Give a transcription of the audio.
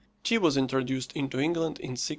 Tea was introduced into England in 1678.